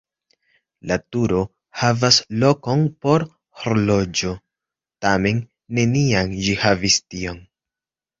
La turo havas lokon por horloĝo, tamen neniam ĝi havis tion.